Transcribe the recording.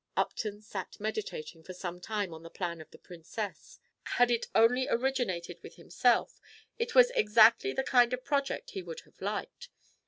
Upton sat meditating for some time on the plan of the Princess; had it only originated with himself, it was exactly the kind of project he would have liked.